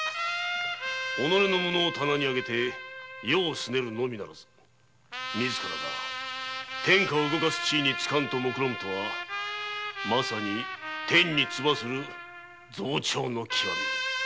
己の無能を棚に上げて世をすねるのみならず自らが天下を動かす地位につかんとモクロムとは正に天にツバする増長の極み。